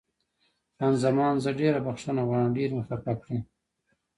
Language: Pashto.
خان زمان: زه ډېره بښنه غواړم، ډېر مې خفه کړې.